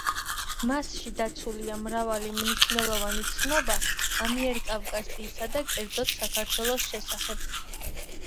მასში დაცულია მრავალი მნიშვნელოვანი ცნობა ამიერკავკასიისა და კერძოდ საქართველოს შესახებ.